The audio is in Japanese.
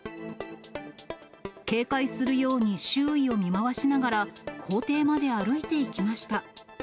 警戒するように周囲を見回しながら、校庭まで歩いていきました。